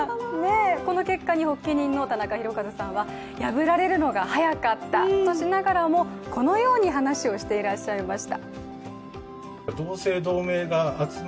この結果に発起人のタナカヒロカズさんは破られたのが早かったとしながらもこのように話をしていらっしゃいました。